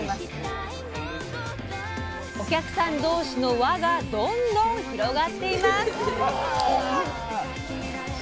お客さん同士の輪がどんどん広がっています。